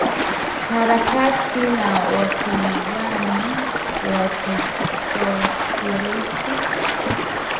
harakati na wapinzani wa kisosialisti